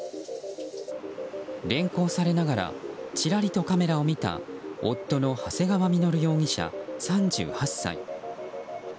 連行されながらちらりとカメラを見た夫の長谷川稔容疑者、３８歳。